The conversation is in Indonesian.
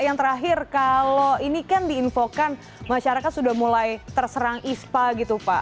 yang terakhir kalau ini kan diinfokan masyarakat sudah mulai terserang ispa gitu pak